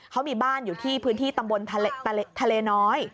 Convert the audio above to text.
เขามีบ้านอยู่ที่พื้นที่ตำบลทะเลน้อย